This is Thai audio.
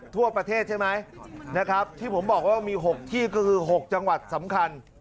ทั่วประเทศใช่ไหมนะครับที่ผมบอกว่ามี๖ที่ก็คือ๖จังหวัดสำคัญ